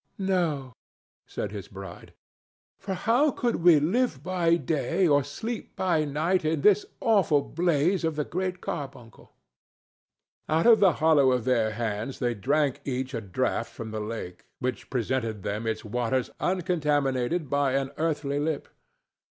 "No," said his bride, "for how could we live by day or sleep by night in this awful blaze of the Great Carbuncle?" Out of the hollow of their hands they drank each a draught from the lake, which presented them its waters uncontaminated by an earthly lip.